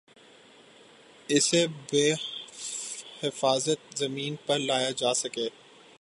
اسے بحفاظت زمین پر لایا جاسکے